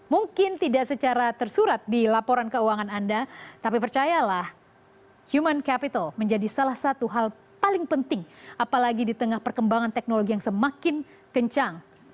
mungkin tidak secara tersurat di laporan keuangan anda tapi percayalah human capital menjadi salah satu hal paling penting apalagi di tengah perkembangan teknologi yang semakin kencang